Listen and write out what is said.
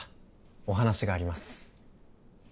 お話があります